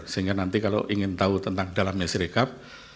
sehingga nanti kalau ingin tahu tentang dalamnya serikat